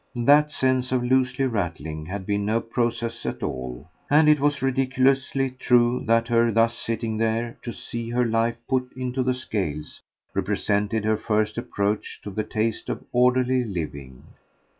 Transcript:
THAT sense of loosely rattling had been no process at all; and it was ridiculously true that her thus sitting there to see her life put into the scales represented her first approach to the taste of orderly living.